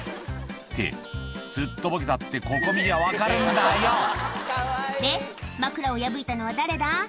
「ってすっとぼけたってここ見りゃ分かるんだよ」で枕を破いたのは誰だ？